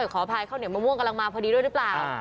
ขออภัยข้าวเหนียวมะม่วงกำลังมาพอดีด้วยหรือเปล่า